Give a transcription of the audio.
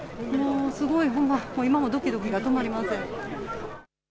今もほんまどきどきが止まりません。